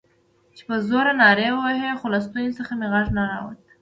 چې په زوره نارې ووهم، خو له ستوني څخه مې غږ نه راووت.